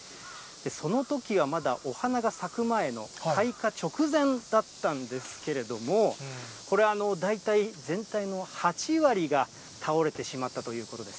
そのときはまだお花が咲く前の、開花直前だったんですけれども、これ、大体、全体の８割が倒れてしまったということです。